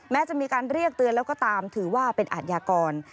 แม้จะมีการเรียกเตือนแล้วก็ตามถือว่าเป็นอาทยากร